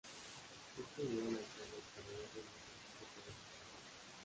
Esto ayudó a lanzar las carreras de muchos escritores notables.